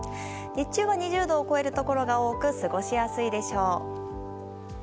日中は２０度を超えるところが多く、過ごしやすいでしょう。